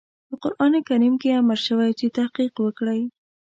په قرآن کريم کې امر شوی چې تحقيق وکړئ.